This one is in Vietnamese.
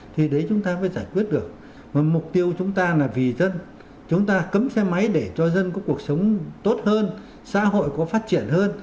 thì đấy chúng ta mới giải quyết được và mục tiêu chúng ta là vì dân chúng ta cấm xe máy để cho dân có cuộc sống tốt hơn xã hội có phát triển hơn